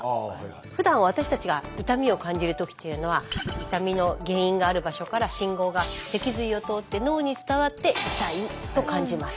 ふだん私たちが痛みを感じる時っていうのは痛みの原因がある場所から信号が脊髄を通って脳に伝わって「痛い！」と感じます。